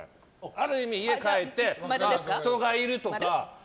ある意味家帰って人がいるとか。